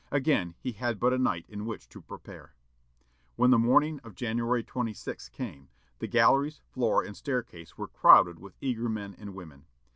Again he had but a night in which to prepare. When the morning of January 26 came, the galleries, floor, and staircase were crowded with eager men and women.